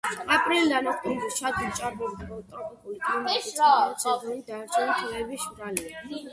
აპრილიდან ოქტომბრის ჩათვლით ჭარბობს ტროპიკული კლიმატი წვიმიანი სეზონით, დანარჩენი თვეები მშრალია.